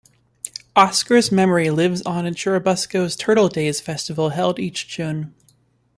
Oscar's memory lives on in Churubusco's Turtle Days festival held each June.